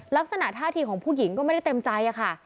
ลักษณะท่าทีของผู้หญิงก็ไม่ได้เต็มใจค่ะ